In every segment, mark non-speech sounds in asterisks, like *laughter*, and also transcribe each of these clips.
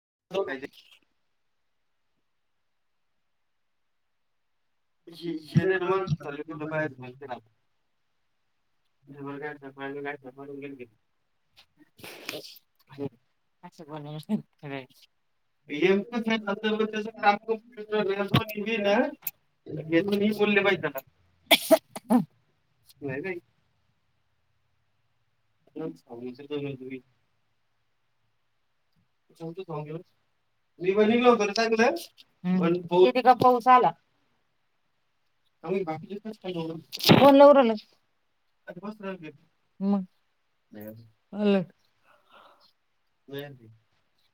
*inaudible* *unintelligible* *unintelligible* *inaudible* *unintelligible* तुम्ही बोलले पाहिजे त्याला नाही का? *unintelligible* *unintelligible* मी बनलो बणताग ना पण पास आला *unintelligible* ह अलट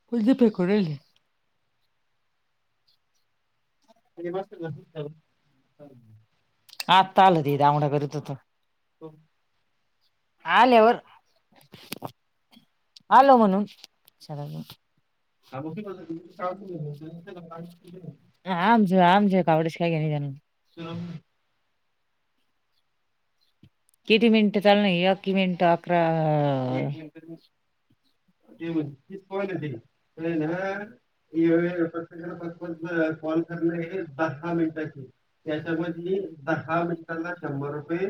पुजपे कोडेल ते मस्त आातालत द आमडा करीत होता. आल्यावर आलो म्हणून च *unintelligible* *unintelligible* किती मिनिटं चालणे अक्की मिनट अकरा *inaudible* *unintelligible* दहा मिनटांना शंभर रुपये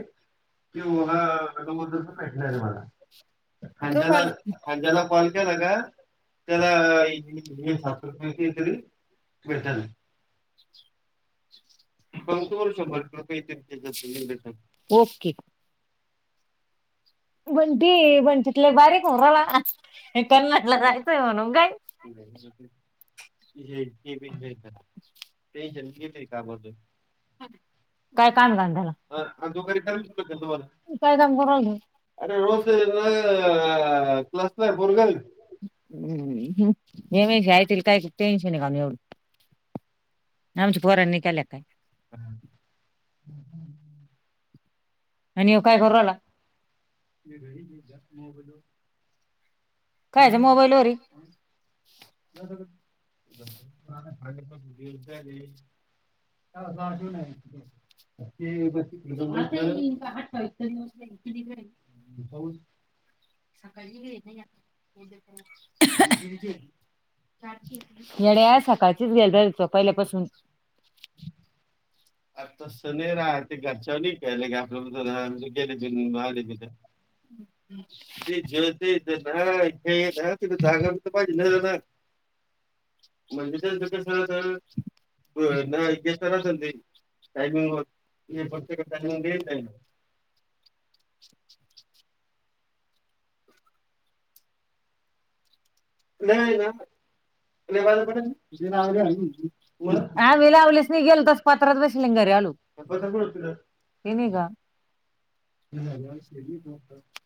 कि ओघा वगाबद्दलच भेटणार आहे मला खायद्याला *unintelligible* *unintelligible* *inaudible* शंभर कि बंटी बंटीतले बारीक उमराला कन्नाटला जायचंय म्हणून काय *unintelligible* काय काम का त्याला काय काम कर *unintelligible* ह हेेम घयतील काय टेन्शन आहे का एवढ हम हम आणि ह्यो काय करायला? कायच मोबाईल होरी र *unintelligible* *inaudible* *unintelligible* येड्या सकाळचीच गेल रचं पहिल्यापासून अरता सनेरा ते घरच्यानी केले का गेले बिन माले बिल् ते ज ते ना ति जागा पाहिजे ना *inaudible* म्हणजे त्याच कस तर नाही *unintelligible* *inaudible* *unintelligible* नाही ना. आम्ही लावलीस नाही गेल तस पात्रात बस लिंगारी. *unintelligible* ये निघा.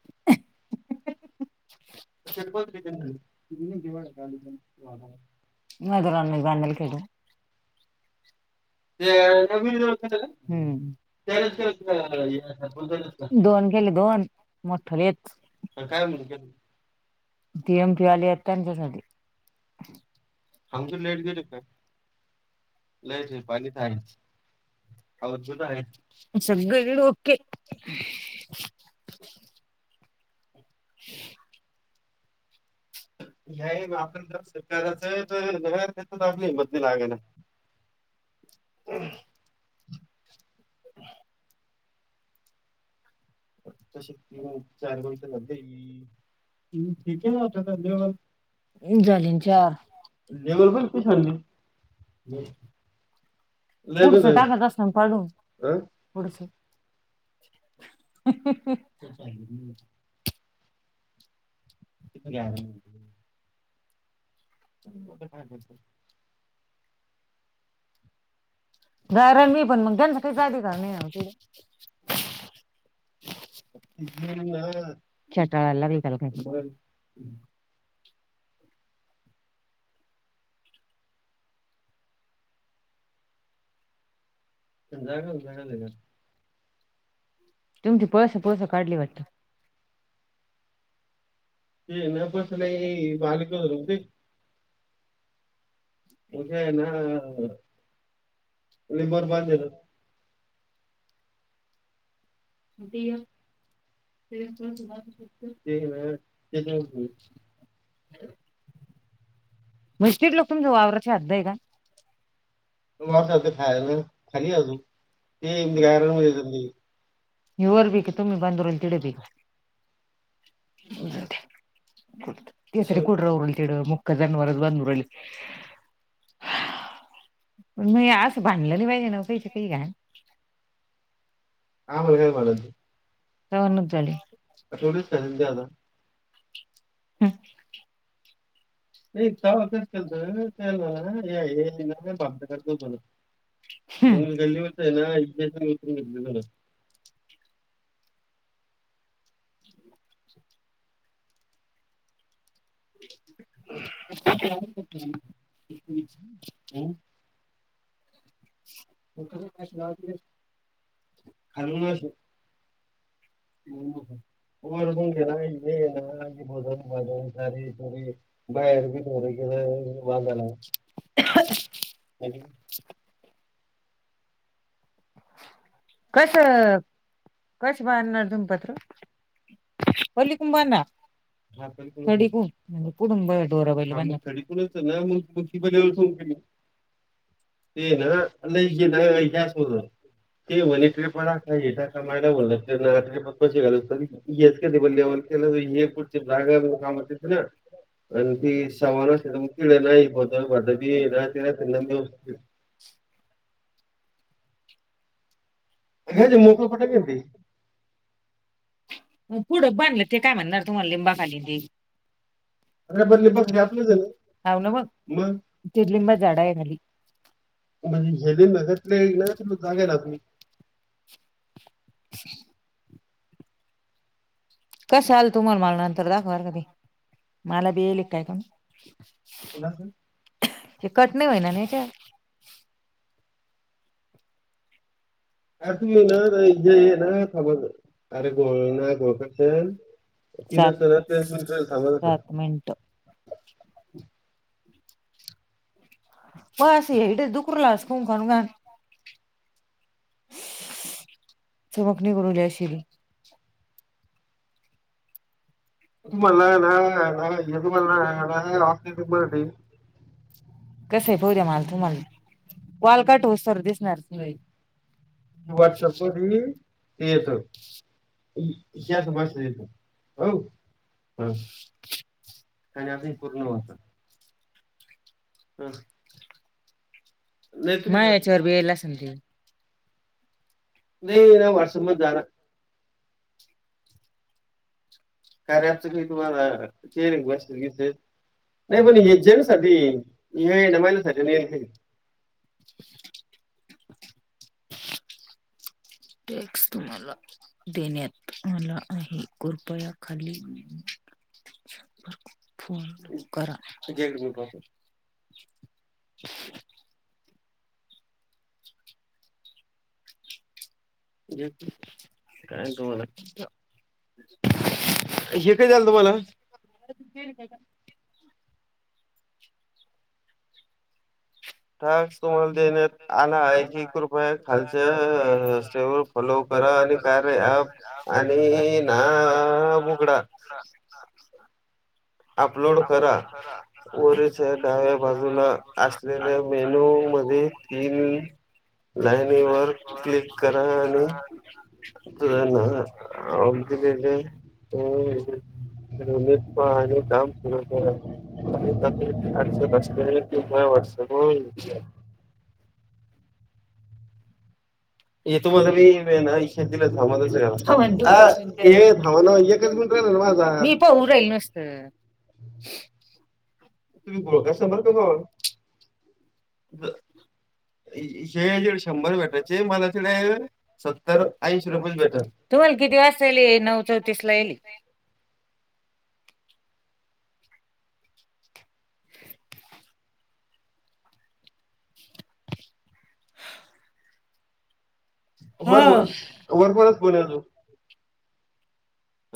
*unintelligible* *unintelligible* ह *unintelligible* दोन मोठालेच काहून गेले एमटी वाले लाईट गेली काय. लयच पाणी य *unintelligible* सगळे ओके ह ह. हग आप जर सरकारच तरग दाखली मली लागे ना *unintelligible* हम् *inaudible* *unintelligible* चार *unintelligible* हम्म ठीक *unintelligible* झाले न चार. पुढचं टाकत असणार काढून पुढसं. *inaudible* *unintelligible* *unintelligible* कारण मी पण मग त्यांचं काही अधिकार नाही *unintelligible* *unintelligible* *unintelligible* तुमची पळस पळस काढली वाटत. ते ना प झा बारी *unintelligible* उद्या येणा. मी बरबाद झालो. *unintelligible* ते ग ते *unintelligible* *inaudible* मिस्ट लोकांची वावरची हद्ध आहे का. *unintelligible* युवर *unintelligible* *unintelligible* कठरल तेड मुक् जन वर. *unintelligible* नाही असं भांडलं नाही पाहिजे ना पैसे काही *unintelligible* हवनण झाली *unintelligible* हम्. नाही का *unintelligible* गल् *unintelligible* *inaudible* *inaudible* *inaudible* *unintelligible* खाल *unintelligible* *inaudible* *unintelligible* *unintelligible* कस कस बांधणार तुम्ही पत्र? होली कोभं ना *unintelligible* *unintelligible* ना आणि ना ते म्हणे ट्रिप य का मायला म्होललं ट्रिप कसे घाल कती बल खेला पुढ जागा कामं ना आणखी समार खिळ नाही बत भध ये *unintelligible* *inaudible* अ का मोका पठ *inaudible* पुढं बांधलं ते काय म्हणणार तुम्हाला लिंबाखाली देई अरे ना बघ तेिर्लिंबा झाडा आहे खाली *unintelligible* *inaudible* कसं आलं तुम्हाला मला नंतर दाखव *inaudible* कधी मला बी येईल काय काण *inaudible* *inaudible* ते कट नाही होय ना नाहीच्या *inaudible* *unintelligible* क नाही क ते तुम्ही सगळ सांबलता *inaudible* *inaudible* ब असं आहे इथे दुकररला असत खू करण घ *inaudible* *inaudible* चमकनी करून जशील *inaudible* *unintelligible* कसंय पाहुद्या मला तुम्हाला, कॉल काट होऊसतर दिसणारच नाही. *unintelligible* टी येत *inaudible* शस बेतो हो हम आणि आताही पूर्ण होत *inaudible* हम् मा याच्यावर बीला समज नाही ना व्हॉट्सप म जाणार *inaudible* कार्याचं काही तुम्हाला चेहरे क नाही पण हे जेवीसाठी हे ना माहिनसाठी ये *inaudible* *unintelligible* टॅक्स तुम्हाला देण्यात आला आहे, कृपया खाली *inaudible* फन कराे मी बून *inaudible* *inaudible* *inaudible* *inaudible* काय ग *inaudible* हे काय झालं तुम्हाला. टाक्स तुम्हाला देण्यात आला आहे, कृपया खालच्या सेवर फलो खरा आणि कारे आणि ना बगडा ह अपलोड करा वरचे डाव्या बाजूला असलेले मेनू मध्ये तीन लाईनी वर क्लिक करा आणि तुझ *unintelligible* *unintelligible* अडचक असल्याने तीभ वर्ष म्ह *inaudible* तला इच्छा दि थांबा ये थांबा एकच मिनट रवाज *inaudible* तुम्ही गोळका शंभर कमावा हे शंभर बेटा मला ते सतर ऐंशी रुप भेट तुम्हाला किती वाजले नऊ चौतीस ला येली *unintelligible* हा.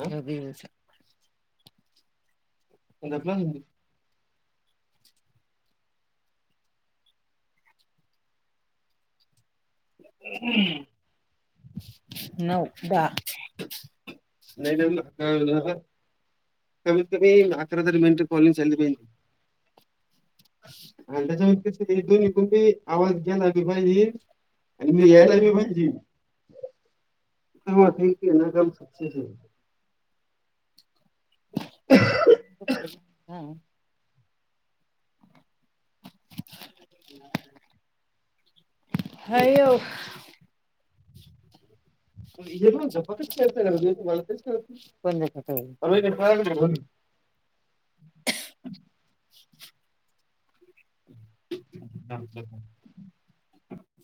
अरबीस. *unintelligible* नऊ दहा. नाही म *unintelligible* कमीत कमी अकरा तरार मिनिटे कॉलिंग चालली. आणि त्याच्या वती दोन्ही *unintelligible* आवाज घ्यालाली पाहिज. आणि मी यायला म्हणजी. *unintelligible* हम्. *inaudible* हाय यो. *unintelligible* *unintelligible* हा हा.